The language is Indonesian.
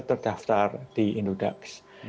terdaftar di indodax